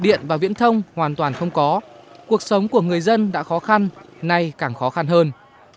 điện và viễn thông hoàn toàn không có cuộc sống của người dân đã khó khăn nay càng khó khăn hơn